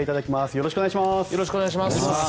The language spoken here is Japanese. よろしくお願いします。